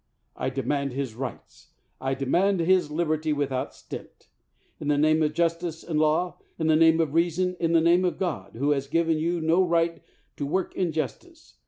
I demand his rights: I demand his liberty without stint. In the name of justice and of law, in the name of reason, in the name of God, who has given you no right to work injitstice.